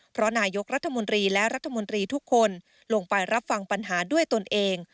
เพราะนายกรัฐมนตรีและรัฐมนตรีทุกคนลงไปรับฟังปัญหาด้วยตนเอง